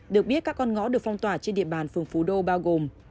được biết các con ngõ được phong tỏa trên địa bàn phường phú đô bao gồm